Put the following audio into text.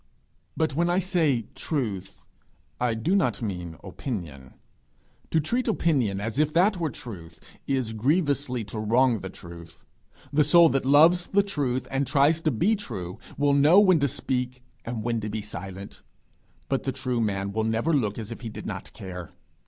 But when I say truth, I do not mean opinion: to treat opinion as if that were truth, is grievously to wrong the truth. The soul that loves the truth and tries to be true, will know when to speak and when to be silent; but the true man will never look as if he did not care.